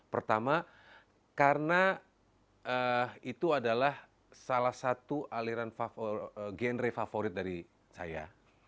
pertama karena itu adalah salah satu aliran genre favorit dari saya